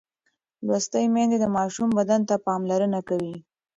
لوستې میندې د ماشوم بدن ته پاملرنه کوي.